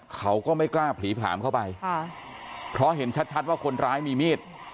เขาก็ไม่กล้าผลีผลามเข้าไปค่ะเพราะเห็นชัดชัดว่าคนร้ายมีมีด